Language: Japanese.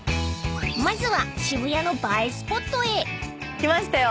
［まずは渋谷の映えスポットへ］来ましたよ。